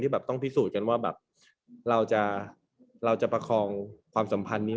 แบบต้องพิสูจน์กันว่าแบบเราจะประคองความสัมพันธ์นี้